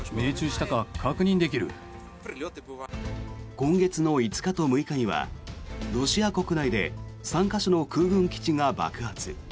今月の５日と６日にはロシア国内で３か所の空軍基地が爆発。